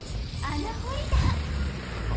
穴掘り団？